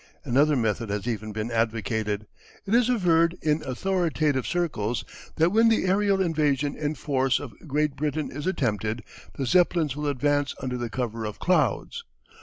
Another method has even been advocated. It is averred in authoritative circles that when the aerial invasion in force of Great Britain is attempted, the Zeppelins will advance under the cover of clouds.